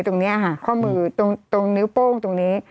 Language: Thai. ตรงนิ้วโป้งตรงนี้